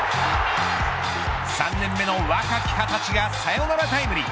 ３年目の若き二十歳がサヨナラタイムリー。